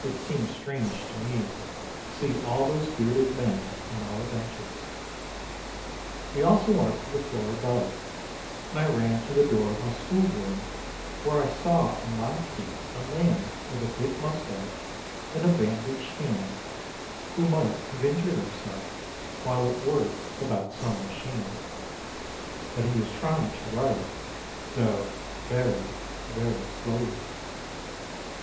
It seemed strange to me to see all those bearded men on our benches. We also went up to the floor above, and I ran to the door of my schoolroom where I saw in my seat a man with a big moustache and a bandaged hand, who THE FIGHT 167 might have injured himself while at work about some machine ; but he was trying to write, though very, very slowly.